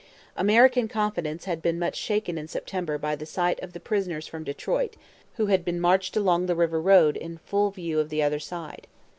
American confidence had been much shaken in September by the sight of the prisoners from Detroit, who had been marched along the river road in full view of the other side.